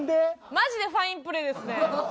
マジでファインプレーですね。